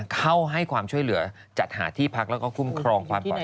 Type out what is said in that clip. เข้าให้ความช่วยเหลือจัดหาที่พักแล้วก็คุ้มครองความปลอดภัย